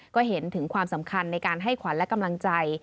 ก็เห็นถึงความสำคัญในการให้ขวัญและกำลังใจ